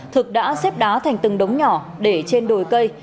thực đã xếp đá thành từng đống nhỏ để trên đồi cây